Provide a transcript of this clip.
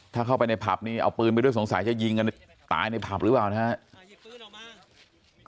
ถ้าเข้าไปในผับนี้เอาปืนไปด้วยสงสัยจะยิงกันตายในผับหรือเปล่านะครับ